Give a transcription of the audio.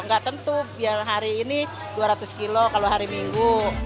nggak tentu biar hari ini dua ratus kilo kalau hari minggu